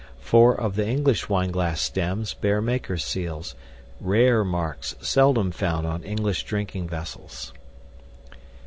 Four of the English wineglass stems bear makers' seals, rare marks seldom found on English drinking vessels.